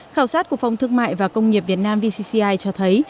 khảo sát của phòng thương mại và công nghiệp việt nam vcci cho thấy